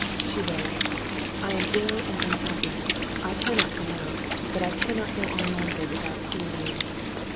She wrote, "I am ill and unhappy. I cannot come out, but I cannot go on longer without seeing you.